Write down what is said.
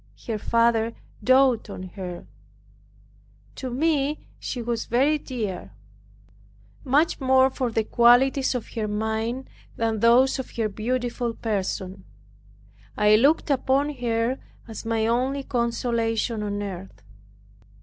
Her father doted on her, to me she was very dear, much more for the qualities of her mind than those of her beautiful person. I looked upon her as my only consolation on earth.